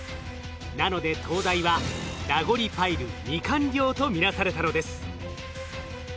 なので東大は「ラゴリパイル未完了」とみなされたのです。